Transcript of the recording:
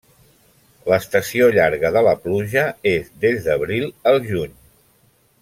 L'estació llarga de la pluja és des d'abril al juny.